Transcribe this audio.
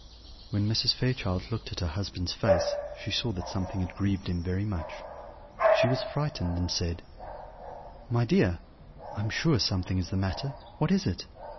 When Mrs. Fairchild looked at her husband's face she saw that something had grieved him very much. She was frightened, and said: "My dear, I am sure something is the matter; what is it?